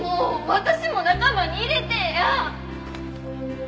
私も仲間に入れてえや。